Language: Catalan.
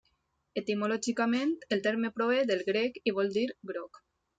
Etimològicament el terme prové del grec i vol dir groc.